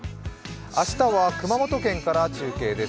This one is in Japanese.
明日は熊本県から中継です。